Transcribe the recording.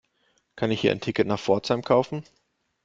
Kann ich hier ein Ticket nach Pforzheim kaufen?